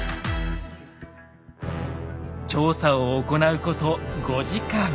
調査を行うこと５時間。